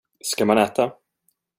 Ska man äta?